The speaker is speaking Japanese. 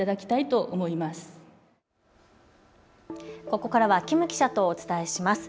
ここからは金記者とお伝えします。